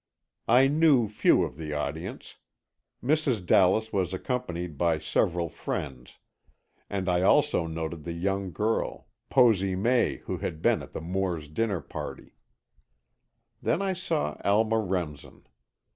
I knew few of the audience. Mrs. Dallas was accompanied by several friends, and I also noted the young girl, Posy May, who had been at the Moores' dinner party. Then I saw Alma Remsen.